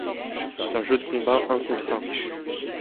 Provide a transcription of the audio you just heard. C'est un jeu de combat un contre un.